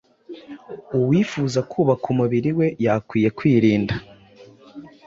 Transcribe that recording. uwifuza kubaka umubiriwe we yakwiye kwirinda